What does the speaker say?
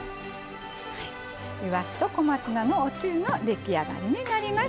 いわしと小松菜のおつゆの出来上がりになります。